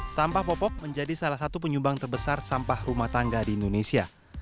sampah popok menjadi salah satu penyumbang terbesar sampah rumah tangga di indonesia